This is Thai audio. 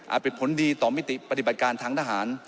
เป็นผลดีต่อมิติปฏิบัติการทางทหาร